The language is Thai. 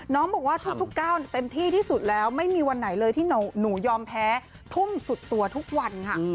น้องบอกว่าทุกก้าวเต็มที่ที่สุดแล้วไม่มีวันไหนเลยที่หนูยอมแพ้ทุ่มสุดตัวทุกวันค่ะ